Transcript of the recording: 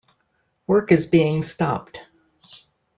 Work is being stopped.